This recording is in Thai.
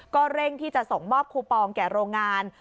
ก็เร่งที่จะส่งมอบคูปองแก่โรงงาน